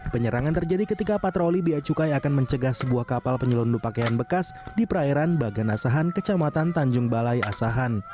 penyerangan terjadi ketika patroli bea cukai akan mencegah sebuah kapal penyelundup pakaian bekas di perairan bagian asahan ke jambatan tanjung balai asahan